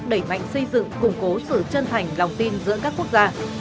đẩy mạnh xây dựng củng cố sự chân thành lòng tin giữa các quốc gia